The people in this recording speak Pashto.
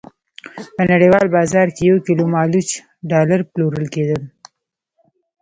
په نړیوال بازار کې یو کیلو مالوچ ډالر پلورل کېدل.